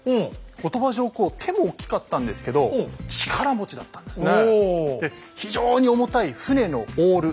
後鳥羽上皇手も大きかったんですけど力持ちだったんですね。